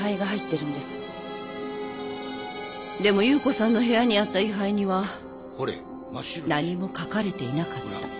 でも夕子さんの部屋にあった位牌には何も書かれていなかった。